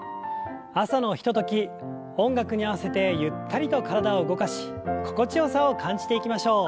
朝のひととき音楽に合わせてゆったりと体を動かし心地よさを感じていきましょう。